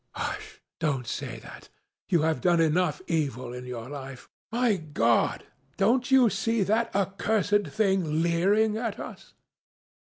"Hush! Don't say that. You have done enough evil in your life. My God! Don't you see that accursed thing leering at us?"